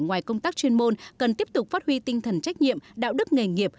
ngoài công tác chuyên môn cần tiếp tục phát huy tinh thần trách nhiệm đạo đức nghề nghiệp